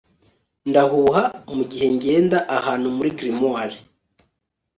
ndahuha mugihe ngenda ahantu muri grimoire